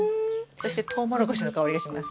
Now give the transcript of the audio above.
わトウモロコシのいい香りがします。